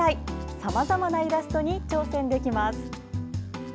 さまざまなイラストに挑戦できます。